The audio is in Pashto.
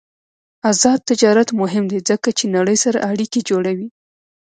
آزاد تجارت مهم دی ځکه چې نړۍ سره اړیکې جوړوي.